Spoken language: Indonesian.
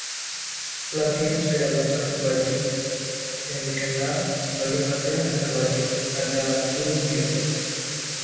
Pelatihan sepeda motor wajib, yang dikenal sebagai Pelatihan Dasar Wajib, adalah umum di Eropa.